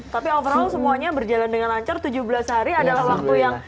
tapi overall semuanya berjalan dengan lancar tujuh belas hari adalah waktu yang